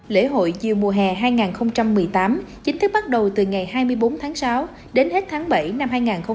lễ hội chiều mùa hè hai nghìn một mươi tám chính thức bắt đầu từ ngày hai mươi bốn tháng sáu đến hết tháng bảy năm hai nghìn một mươi chín